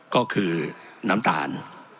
ก็คือน้ำตาล